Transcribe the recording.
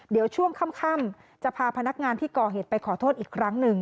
เดี๋ยวช่วงค่ำจะพาพนักงานที่ก่อเหตุไปขอโทษอีกครั้งหนึ่ง